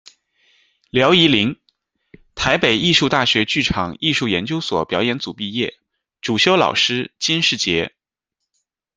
廖怡裬，台北艺术大学剧场艺术研究所表演组毕业，主修老师金士杰。